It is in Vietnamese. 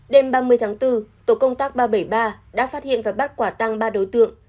đêm ba mươi tháng bốn tổ công tác ba trăm bảy mươi ba đã phát hiện và bắt quả tăng ba đối tượng